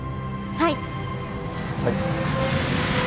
はい！